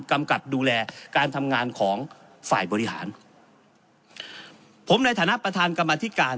กำกับดูแลการทำงานของฝ่ายบริหารผมในฐานะประธานกรรมธิการ